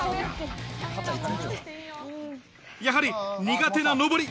やはり苦手な登り。